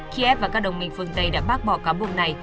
kiev và các đồng minh phương tây đã bác bỏ cán bộ này